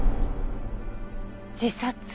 自殺？